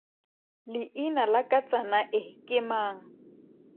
Leina la katsana e ke mang?